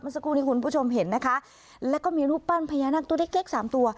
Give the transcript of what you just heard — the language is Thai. สักครู่นี้คุณผู้ชมเห็นนะคะแล้วก็มีรูปปั้นพญานาคตัวเล็กเล็กสามตัว